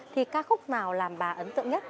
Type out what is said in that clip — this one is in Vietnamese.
thì ca khúc nào làm bà ấn tượng nhất